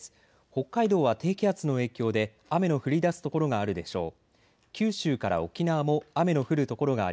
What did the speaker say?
北海道は低気圧の影響で雨の降りだす所があるでしょう。